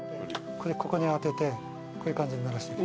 ここに当ててこういう感じに流して。